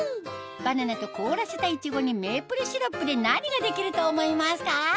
バナナと凍らせたいちごにメープルシロップで何ができると思いますか？